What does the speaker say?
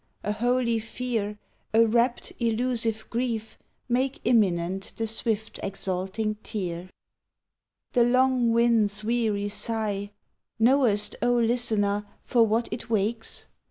A holy fear, A rapt, elusive grief, Make imminent the swift, exalting tear. The long wind's weary sigh — Knowest, O listener I for what it wakes*?